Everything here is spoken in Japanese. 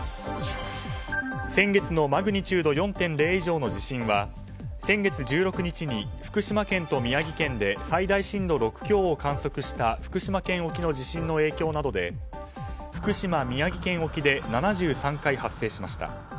先月のマグニチュード４．０以上の地震は先月１６日に福島県と宮城県で最大震度６強を観測した福島県沖の地震の影響などで福島・宮城県沖で７３回発生しました。